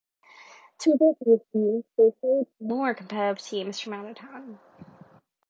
To avert the issue, they played more competitive teams from out of town.